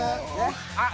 あっ